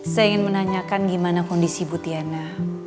saya ingin menanyakan gimana kondisi bu tiana